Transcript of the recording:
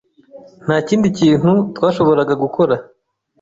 Nta kindi kintu twashoboraga gukora.